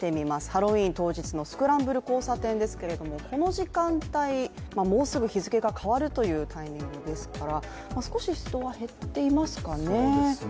ハロウィーン当日のスクランブル交差点ですがこの時間帯、もうすぐ日付が変わるというタイミングですから少し人は減っていますかね。